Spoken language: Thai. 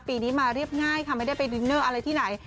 ปีนี้มาเรียบง่ายค่ะไม่ได้ไปดินเนอร์อะไรที่ไหน